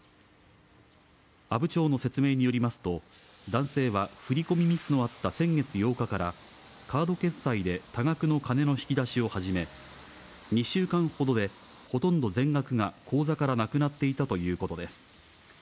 阿武町の説明によりますと、男性は振り込みミスのあった先月８日から、カード決済で多額の金の引き出しを始め、２週間ほどでほとんど全額が口座からなくなっていたということです。